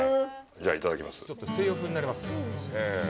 じゃあ、いただきます。